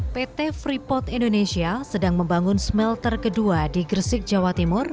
pt freeport indonesia sedang membangun smelter kedua di gresik jawa timur